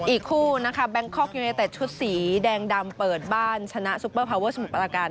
อีกคู่นะคะแบงคอกยูเนเต็ดชุดสีแดงดำเปิดบ้านชนะซุปเปอร์พาเวอร์สมุทรปราการ